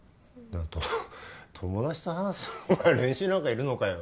何友達と話すのにお前練習なんかいるのかよ。